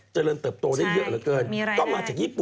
เจริญเติบโตได้เยอะเหลือเกินใช่มีอะไรได้ก็มาจากญี่ปุ่น